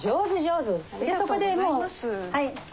そこでもうはい。